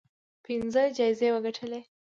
پنځه جایزې وګټلې